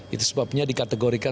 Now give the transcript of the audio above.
itu sebabnya dikategorikan